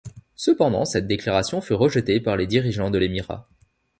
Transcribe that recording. Cependant, cette déclaration fut rejetée par les dirigeants de l'Émirat.